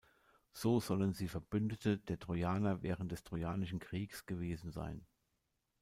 So sollen sie Verbündete der Trojaner während des Trojanischen Kriegs gewesen sein.